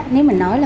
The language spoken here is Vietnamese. nếu mình nói là